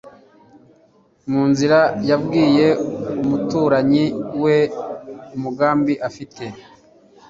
mu nzira yabwiye umuturanyi we umugambi afite,